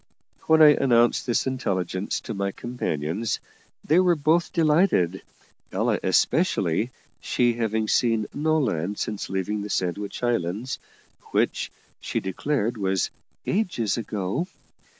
When I announced this intelligence to my companions, they were both delighted, Ella especially, she having seen no land since leaving the Sandwich Islands, which, she declared, was "ages ago."